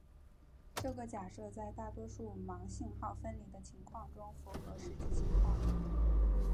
这个假设在大多数盲信号分离的情况中符合实际情况。